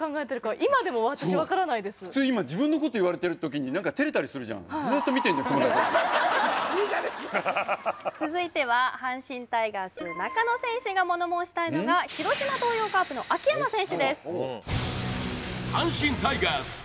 今でも私わからないですいいじゃねえか続いては阪神タイガース中野選手が物申したいのが広島東洋カープの秋山選手です